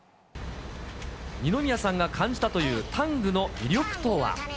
二宮さんが感じたという、タングの魅力とは。